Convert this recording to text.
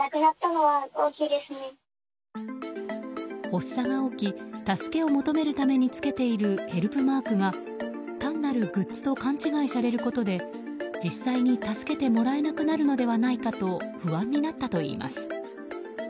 発作が起き助けを求めるためにつけているヘルプマークが、単なるグッズと勘違いされることで実際に助けてもらえなくなるのではないかと不安になったといいます。